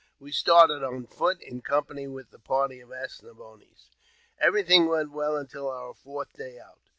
We started on foot, in company with the party of As ne boines. Everything went well until our fourth day out.